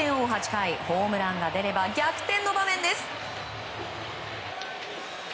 ８回ホームランが出れば逆転の場面です。